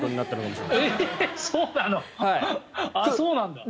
そうなんだ。